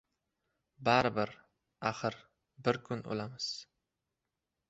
Baribir, axir, bir kun o’lamiz